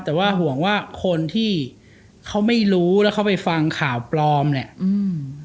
แต่ว่าห่วงว่าคนที่เขาไม่รู้แล้วเขาไปฟังข่าวปลอมเนี่ยอืม